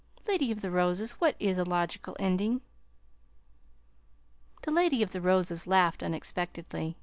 Lady of the Roses, what is a logical ending?" The Lady of the Roses laughed unexpectedly.